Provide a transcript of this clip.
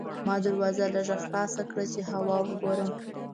ما دروازه لږه خلاصه کړه چې هوا وګورم.